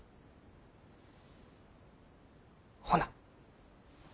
ほな。